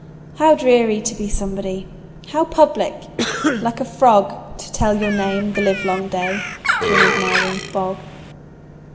How dreary to be somebody! How public, like a frog To tell your name the livelong day To an admiring bog!